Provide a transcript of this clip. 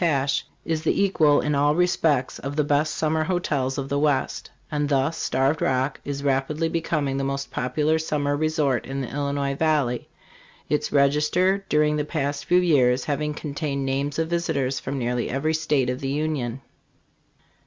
Tatsch, is the equal in all respects of the best summer hotels of the West ; and thus Starved Rock is rapidly becoming the most popular summer resort in the Illinois valley, its register during the past few years having contained names of visitors from nearly every state of the Union.